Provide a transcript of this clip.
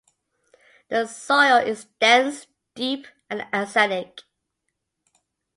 The soil is dense, deep, and acidic.